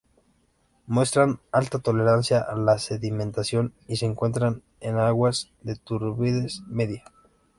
Muestran alta tolerancia a la sedimentación y se encuentran en aguas con turbidez media.